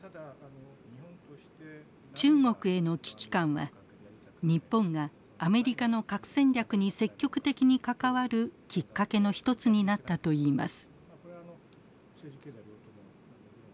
中国への危機感は日本がアメリカの核戦略に積極的に関わるきっかけの一つになったといいます。